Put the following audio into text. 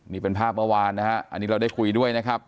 นี่เป็นภาพเมื่อวานนะฮะอันนี้เราได้คุยด้วยนะครับ